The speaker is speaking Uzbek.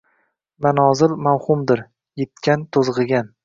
manozil mavhumdir – yitgan, to’zg’igan.